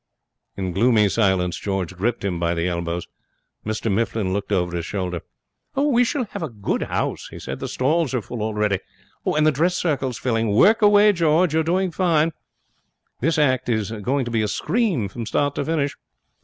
In gloomy silence George gripped him by the elbows. Mr Mifflin looked over his shoulder. 'We shall have a good house,' he said. 'The stalls are full already, and the dress circle's filling. Work away, George, you're doing fine. This act is going to be a scream from start to finish.'